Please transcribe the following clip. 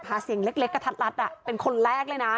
หาเสียงเล็กกระทัดรัดเป็นคนแรกเลยนะ